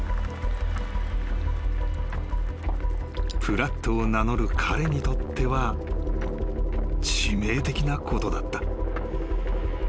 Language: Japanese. ・［プラットを名乗る彼にとっては致命的なことだった］